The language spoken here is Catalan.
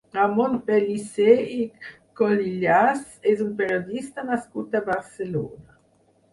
Ramon Pellicer i Colillas és un periodista nascut a Barcelona.